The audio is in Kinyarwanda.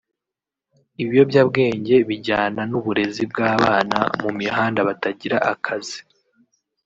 Ibiyobyabwenge bijyana n’ubuzererezi bw’abana mu mihanda batagira akazi